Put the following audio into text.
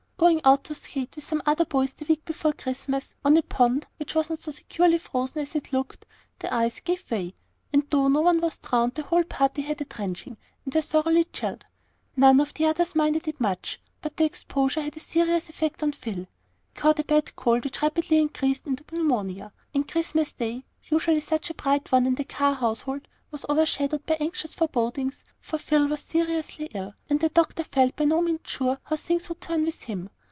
Going out to skate with some other boys the week before Christmas, on a pond which was not so securely frozen as it looked, the ice gave way; and though no one was drowned, the whole party had a drenching, and were thoroughly chilled. None of the others minded it much, but the exposure had a serious effect on Phil. He caught a bad cold which rapidly increased into pneumonia; and Christmas Day, usually such a bright one in the Carr household, was overshadowed by anxious forebodings, for Phil was seriously ill, and the doctor felt by no means sure how things would turn with him.